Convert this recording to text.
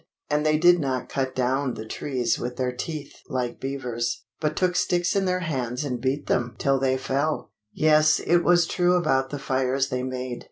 And they did not cut down the trees with their teeth like beavers, but took sticks in their hands and beat them till they fell! Yes, it was true about the fires they made.